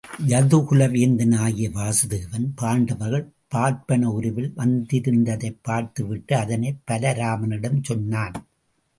யதுகுல வேந்தனாகிய வசுதேவன் பாண்டவர்கள் பார்ப்பன உருவில் வந்திருந்ததைப் பார்த்து விட்டு அதனைப் பலராமனிடம் சொன்னான்.